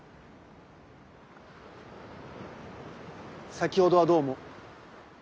先ほどはどうも。